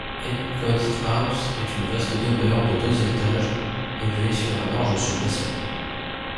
Edgcote House est une vaste demeure de deux étages élevés sur un large soubassement.